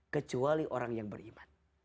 kecuali orang yang beriman